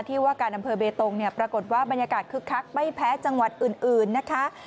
ที่ว่าการอำเภอเบตงปรากฏว่าบรรยากาศคึกคักไม่แพ้จังหวัดอื่นนะคะ